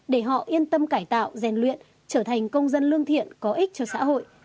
để họ yên tâm cải tạo rèn luyện trở thành công dân lương thiện có ích cho xã hội